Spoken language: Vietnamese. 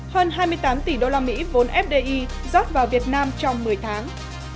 hơn hai mươi tám tỷ đô la mỹ vốn fdi rót vào việt nam trong một mươi tháng